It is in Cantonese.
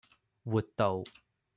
活道